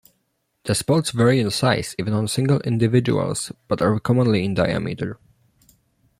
The spots vary in size, even on single individuals, but are commonly in diameter.